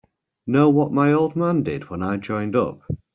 Know what my old man did when I joined up?